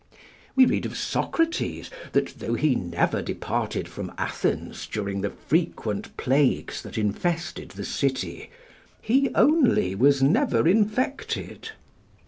We read of Socrates, that though he never departed from Athens during the frequent plagues that infested the city, he only was never infected.